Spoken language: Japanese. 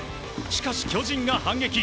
しかし、巨人が反撃。